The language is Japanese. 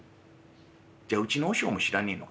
じゃあうちの和尚も知らねえのかな？